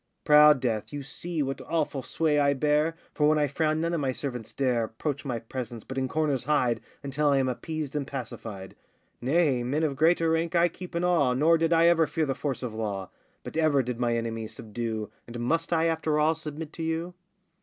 Proud Death, you see what awful sway I bear, For when I frown none of my servants dare Approach my presence, but in corners hide Until I am appeased and pacified. Nay, men of greater rank I keep in awe Nor did I ever fear the force of law, But ever did my enemies subdue, And must I after all submit to you?